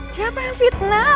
kenapa yang fitnah